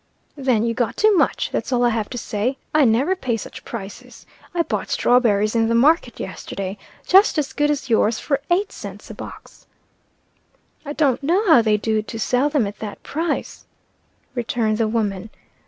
"Then you got too much, that's all I have to say. I never pay such prices. I bought strawberries in the market yesterday, just as good as yours, for eight cents a box." "Don't know how they do to sell them at that price," returned the woman.